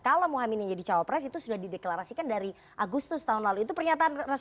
kalau muhaymin yang jadi cowok pres itu sudah di deklarasikan dari agustus tahun lalu itu pernyataan resmi loh